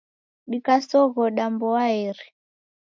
Dikasoghoda mboaeri.